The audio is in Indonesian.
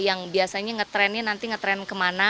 yang biasanya ngetrennya nanti ngetren kemana